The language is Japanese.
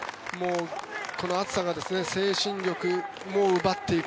この暑さが精神力も奪っていく。